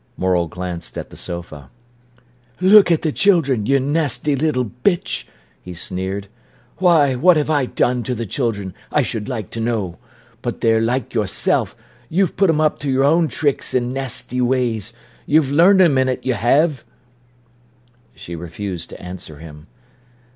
Morel glanced at the sofa. "Look at the children, you nasty little bitch!" he sneered. "Why, what have I done to the children, I should like to know? But they're like yourself; you've put 'em up to your own tricks and nasty ways—you've learned 'em in it, you 'ave." She refused to answer him.